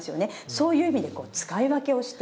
そういう意味で使い分けをしている。